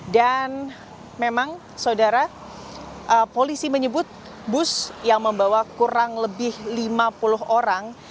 memang saudara polisi menyebut bus yang membawa kurang lebih lima puluh orang